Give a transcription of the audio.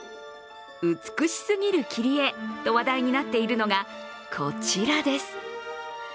美しすぎる切り絵と話題になっているのがこちらです。